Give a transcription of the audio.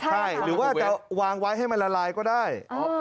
ใช่หรือว่าจะวางไว้ให้มันละลายก็ได้